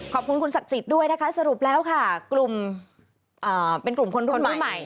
ขอบคุณคุณศักดิ์สิทธิ์ด้วยนะคะสรุปแล้วค่ะกลุ่มเป็นกลุ่มคนรุ่นใหม่